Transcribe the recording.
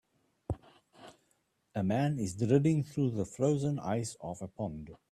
A man is drilling through the frozen ice of a pond.